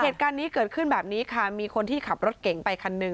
เหตุการณ์นี้เกิดขึ้นแบบนี้ค่ะมีคนที่ขับรถเก่งไปคันหนึ่ง